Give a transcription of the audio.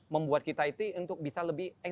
membuat kita itu untuk bisa lebih